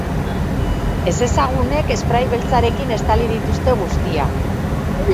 Ezezagunek esprai beltzarekin estali dituzte guztiak.